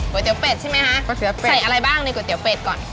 ก๋วยเตี๋ยวเป็ดใช่ไหมฮะใส่อะไรบ้างในก๋วยเตี๋ยวเป็ดก่อน